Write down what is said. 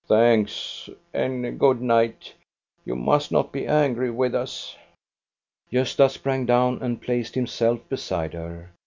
Thanks, and good night. You must not be angry with us!" Gosta sprang down and placed himself beside her.